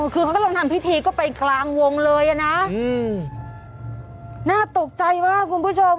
คือเขาก็ลองทำพิธีก็ไปกลางวงเลยอ่ะนะน่าตกใจมากคุณผู้ชม